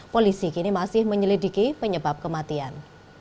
polisi kini masih menyelidiki penyebab kematian